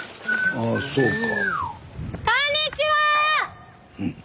あそうか。